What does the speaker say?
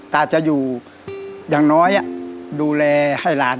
ตาจะอยู่อย่างน้อยดูแลให้หลาน